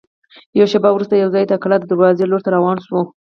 یوه شېبه وروسته یوځای د کلا د دروازې لور ته روان شوو.